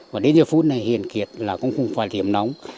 và đến giờ phút này hiền kiệt là cũng không phải điểm nóng